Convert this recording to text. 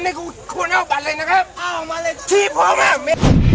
ที่ควรเอาแบบอะไรนะครับเอามาเลยที่พอไหม